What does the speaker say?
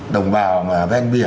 đồng bào bên biển